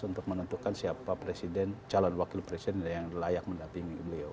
untuk menentukan siapa presiden calon wakil presiden yang layak mendampingi beliau